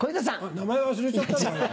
名前忘れちゃったのかよ。